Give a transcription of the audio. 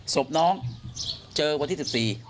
ศพน้องเจอวันที่๑๔